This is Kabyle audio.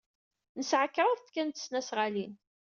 Nesɛa kraḍt kan n tesnasɣalin.